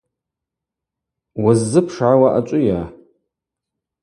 Уыззыпшгӏауа ачӏвыйа?